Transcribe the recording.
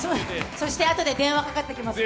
そしてあとで電話かかってきますよ。